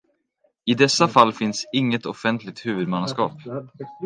I dessa fall finns inget offentligt huvudmannaskap.